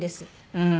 うん。